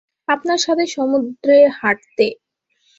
আপনার সাথে সমুদ্রে হাঁটতে।